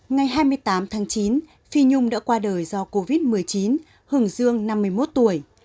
ngày hai mươi tám tháng chín phi nhung đã qua đời do covid một mươi chín hùng dương năm mươi một tuổi